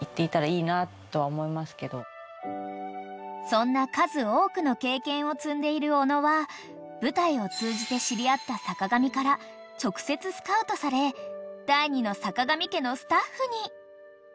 ［そんな数多くの経験を積んでいる小野は舞台を通じて知り合った坂上から直接スカウトされ第２の坂上家のスタッフに］